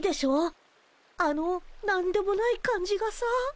あの何でもない感じがさ。